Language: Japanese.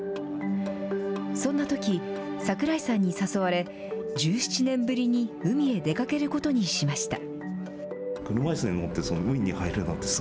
そんなとき、櫻井さんに誘われ、１７年ぶりに海へ出かけることにしました。